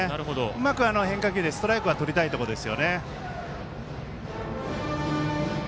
うまく変化球でストライクはとりたいところです。